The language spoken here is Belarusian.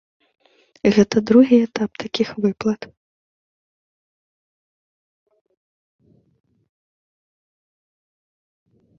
Гэта другі этап такіх выплат.